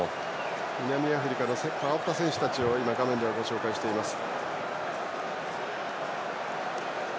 南アフリカの代わった選手たちを画面でご紹介しました。